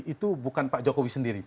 itu bukan pak jokowi sendiri